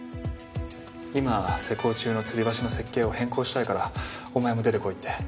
今施工中のつり橋の設計を変更したいからお前も出てこいって。